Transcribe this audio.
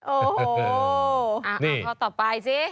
อ่อโอ้โหเอาต่อไปสิ